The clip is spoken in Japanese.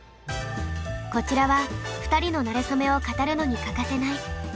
こちらは２人のなれそめを語るのに欠かせない「なれそメモ」。